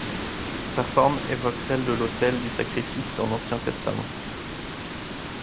Sa forme évoque celle de l'autel du sacrifice dans l'Ancien Testament.